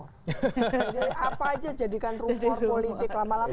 jadi apa aja jadikan rumor politik lama lama kita